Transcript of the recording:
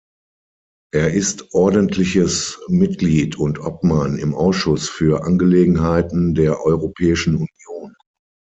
Er ist ordentliches Mitglied und Obmann im Ausschuss für Angelegenheiten der Europäischen Union.